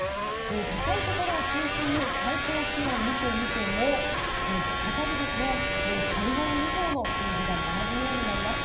高いところを中心に最高気温を見てみても再び体温以上の数字が並ぶようになります。